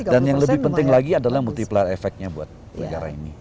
dan yang lebih penting lagi adalah multiplier efeknya buat negara ini